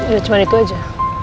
nah cuma itu aja